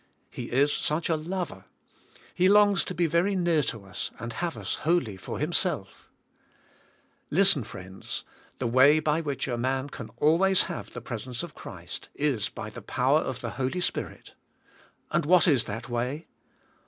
He is such a lover. He longs to be ver}^ near to us and have us wholly for Himself, Listen BK I^ltlyKt) WI^H I^HK SPIRli". i2i I friends, the way by which a man can always have the presence of Christ, is by the power of the Holy Spirit, and what is that way?